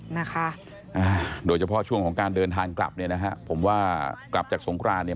นะคะอ่าโดยเฉพาะช่วงของการเดินทางกลับเนี่ยนะฮะผมว่ากลับจากสงครานเนี่ย